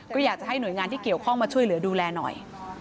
ก็อยากจะให้หน่วยงานที่เกี่ยวข้องมาช่วยเหลือดูแลหน่อย